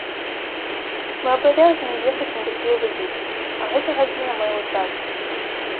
Мы абавязаны ехаць на такія выклікі, а гэта гадзіна майго часу.